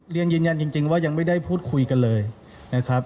เรียนยืนยันจริงว่ายังไม่ได้พูดคุยกันเลยนะครับ